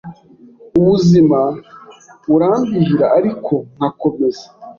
ubuzima burambihira ariko nkakomeza